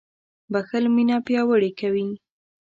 • بښل مینه پیاوړې کوي.